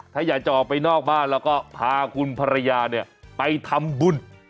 ถ้าอยากจะออกไปนอกบ้านแล้วก็พาคุณภรรยาเนี่ยไปทำบุญ